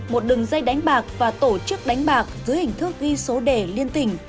một đường dây đánh bạc và tổ chức đánh bạc dưới hình thức ghi số đề liên tỉnh